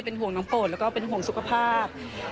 ห่วงน้องโปรดแล้วก็เป็นห่วงสุขภาพ